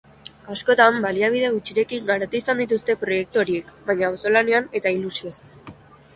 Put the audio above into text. Askotan baliabide gutxirekin garatu izan dituzte proiektu horiek, baina auzolanean eta ilusioz.